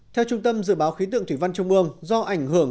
trên đường đường